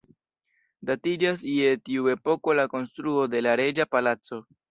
Datiĝas je tiu epoko la konstruo de la “reĝa Palaco”.